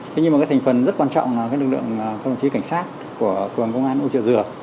thế nhưng mà cái thành phần rất quan trọng là cái lực lượng các đồng chí cảnh sát của công an âu trợ dừa